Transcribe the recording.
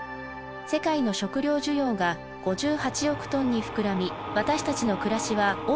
世界の食料需要が５８億トンに膨らみ私たちの暮らしは大きく変わりました。